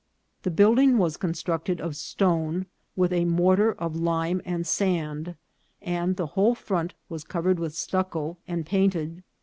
The building was constructed of stone, with a mortar of lime and sand, and the whole front was covered with stucco and painted.